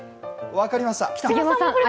分かりました。